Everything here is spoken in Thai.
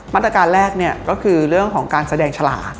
มาตรการแรกเนี่ยก็คือเรื่องของการแสดงฉลาด